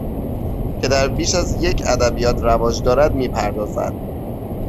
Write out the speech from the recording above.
که در بیش از یک ادبیات رواج دارد می پردازد